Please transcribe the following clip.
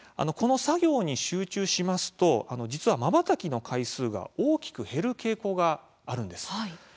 この作業に集中しますと実は、まばたきの回数が大きく減る傾向があるんです。